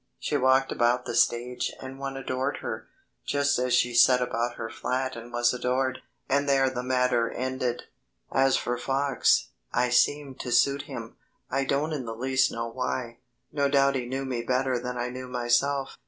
She walked about the stage and one adored her, just as she sat about her flat and was adored, and there the matter ended. As for Fox, I seemed to suit him I don't in the least know why. No doubt he knew me better than I knew myself.